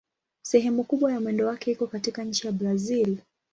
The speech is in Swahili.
Sehemu kubwa ya mwendo wake iko katika nchi ya Brazil.